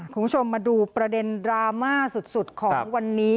คุณผู้ชมมาดูประเด็นดราม่าสุดของวันนี้